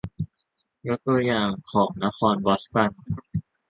ยกตัวอย่างของนครบอสตัน